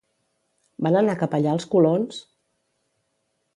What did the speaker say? Van anar cap allà els colons?